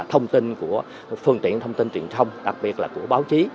thông tin của phương tiện thông tin truyền thông đặc biệt là của báo chí